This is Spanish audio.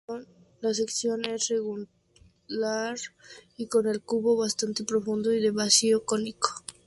La sección es rectangular y con el cubo bastante profundo y de vaciado cónico.